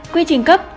quy trình cấp